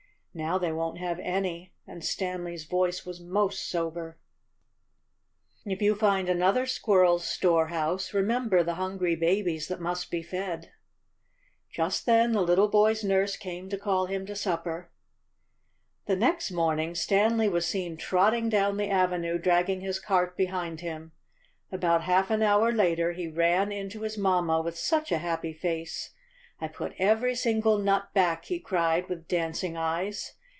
" "Now they won't have any," and Stanley's voice was most sober. 52 STANLEY AND THE SQUIRRELS. "If you find another squirreFs storehouse, remember the hungry babies that must be fedF^ Just then the little boy's nurse came to call him to supper. The next morning Stanley was seen trotting down the avenue dragging his cart behind him. About half an hour later he ran in to his mamma with such a happy face. "I put every single nut back," he cried, with dancing eyes.